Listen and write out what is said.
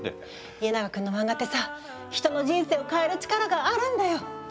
家長くんのマンガってさ人の人生を変える力があるんだよ。